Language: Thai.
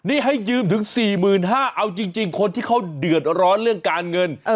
นี่ให้ยืมถึง๔๕๐๐เอาจริงคนที่เขาเดือดร้อนเรื่องการเงิน